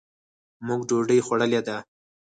مونږ ډوډۍ خوړلې ده.